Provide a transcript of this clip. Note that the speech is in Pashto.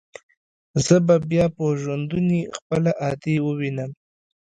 زه به بيا په ژوندوني خپله ادې ووينم.